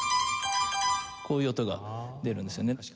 こういう音が出るんですよね。